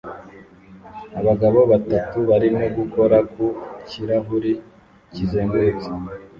Abagabo batatu barimo gukora ku kirahuri kizengurutse